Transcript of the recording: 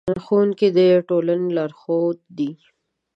ښوونکي د ټولنې لارښود دي.